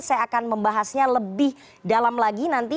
saya akan membahasnya lebih dalam lagi nanti